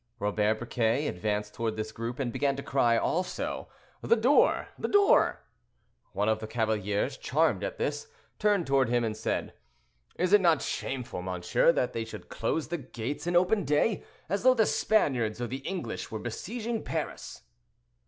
Robert Briquet advanced toward this group, and began to cry also, "The door! the door!" One of the cavaliers, charmed at this, turned toward him and said, "Is it not shameful, monsieur, that they should close the gates in open day, as though the Spaniards or the English were besieging Paris?"